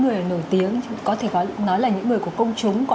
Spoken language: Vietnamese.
người nổi tiếng có thể có nói là những người của công chúng có